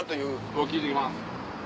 僕聞いてきます。